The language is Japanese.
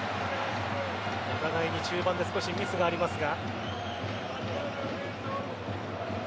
お互いに中盤で少しミスがありますが。